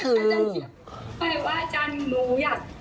ก็เป็นเลขที่น้องเพชรจับ